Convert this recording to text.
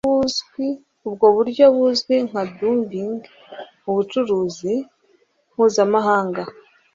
Ubwo buryo buzwi nka 'dumping' mu bucuruzi mpuzamahanga,